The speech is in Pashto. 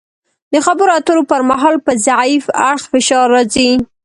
د خبرو اترو پر مهال په ضعیف اړخ فشار راځي